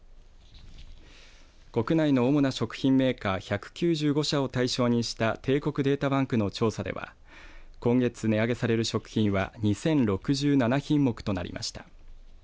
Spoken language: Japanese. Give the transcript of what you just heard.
国内の主な食品メーカー１９５社を対象にした帝国データバンクの調査では今月、値上げされる食品は２０６７品目となりました。